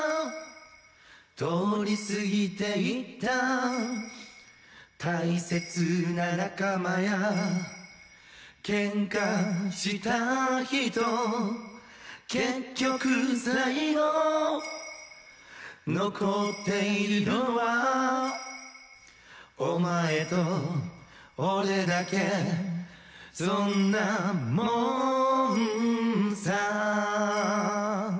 通り過ぎていった大切な仲間や喧嘩した人結局最後残っているのはお前と俺だけそんなもんさ